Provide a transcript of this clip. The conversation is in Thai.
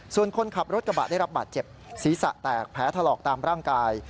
ส่วนคนขับรถกระบะได้รับบาดเจ็บศีรษะแตกแผลถลอกตามร่างกาย